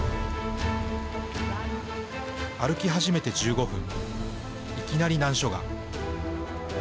歩き始めて１５分いきなり難所が。